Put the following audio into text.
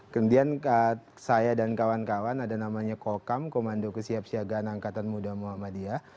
kemudian saya dan kawan kawan ada namanya kokam komando kesiapsiagaan angkatan muda muhammadiyah